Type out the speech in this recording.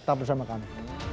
tahap bersama kami